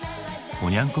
おニャン子